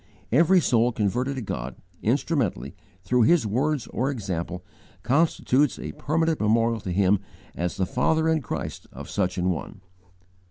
Every soul converted to God (instrumentally) through his words or example constitutes a permanent memorial to him as the father in Christ of such an one.